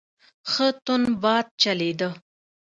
ښه تند باد چلیده.